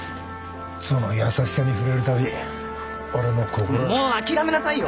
その優しさに触れるたび俺の心はもう諦めなさいよ！